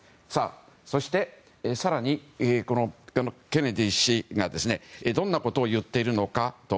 そして、更にケネディ氏がどんなことを言っているのか。